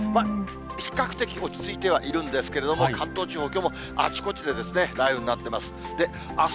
比較的落ち着いてはいるんですけど、関東地方、きょうもあちこちで、雷雨になってます。